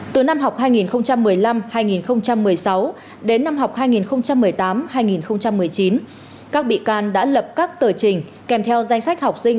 từ năm học hai nghìn một mươi năm hai nghìn một mươi sáu đến năm học hai nghìn một mươi tám hai nghìn một mươi chín các bị can đã lập các tờ trình kèm theo danh sách học sinh